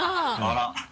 あら。